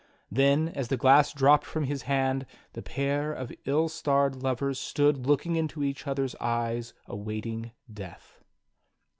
Then as the glass dropped from his hand, the pair of ill starred lovers stood looking into each other's eyes awaiting death.